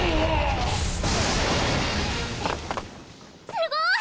すごい！